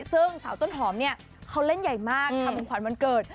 ซึ่งสาวต้นหอมเนี่ยเขาเล่นใหญ่มากทำเป็นขวัญวันเกิด